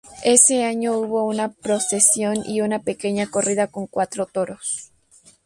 Ese año hubo una procesión y una pequeña corrida con cuatro toros.